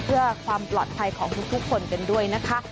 เพื่อความปลอดภัยของทุกคนกันด้วยนะคะ